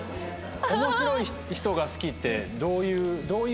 面白い人が好きってどういう？